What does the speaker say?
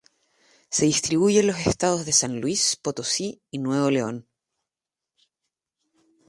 Se distribuye en los estados de San Luis Potosí y Nuevo León.